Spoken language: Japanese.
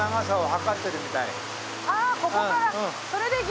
あここから。